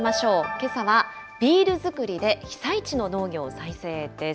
けさはビール造りで被災地の農業再生です。